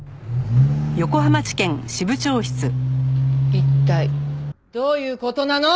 一体どういう事なの！？